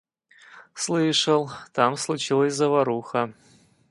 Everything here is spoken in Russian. Слышал, там случилась заваруха.